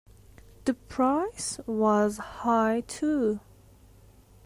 The price was high too.